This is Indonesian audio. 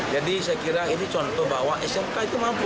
jadi saya kira ini contoh bahwa smk itu mampu